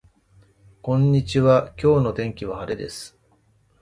こんにちは今日の天気は晴れです